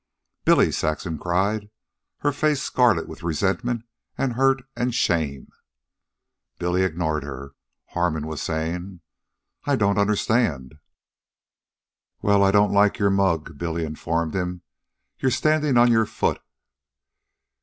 "Billy!" Saxon cried, her face scarlet with resentment, and hurt, and shame. Billy ignored her. Harmon was saying: "I don't understand " "Well, I don't like your mug," Billy informed him. "You're standin' on your foot.